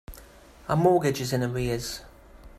Our mortgage is in arrears.